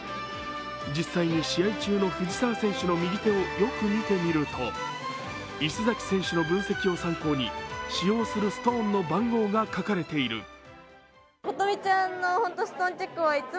実際に試合中の藤澤選手の右手をよく見てみると、石崎選手の分析を参考に、使用するストーンの番号が書かれている。